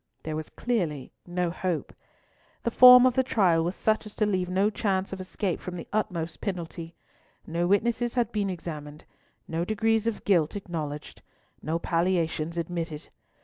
There was clearly no hope. The form of the trial was such as to leave no chance of escape from the utmost penalty. No witnesses had been examined, no degrees of guilt acknowledged, no palliations admitted.